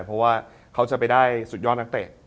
เพราะว่าเขาจะไปได้สุดยอดนักเตะ